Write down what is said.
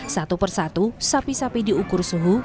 satu persatu sapi sapi diukur suhu